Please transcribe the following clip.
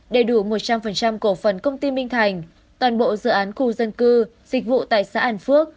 đầy đủ một trăm linh cổ phần công ty minh thành toàn bộ dự án khu dân cư dịch vụ tại xã an phước